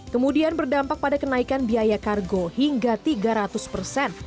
kemudian berdampak pada kenaikan biaya kargo hingga tiga ratus persen